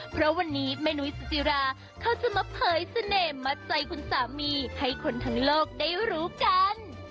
เพราะวันนี้แม่นุ้ยสุจิราเขาจะมาเผยเสน่ห์มัดใจคุณสามีให้คนทั้งโลกได้รู้กัน